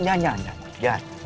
jangan jangan jangan